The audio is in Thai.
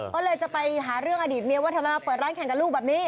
ก็เลยจะไปหาเรื่องอดีตเมียว่าทำไมมาเปิดร้านแข่งกับลูกแบบนี้